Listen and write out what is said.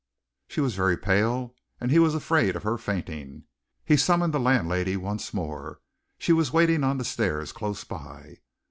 She was very pale, and he was afraid of her fainting. He summoned the landlady once more. She was waiting on the stairs close by.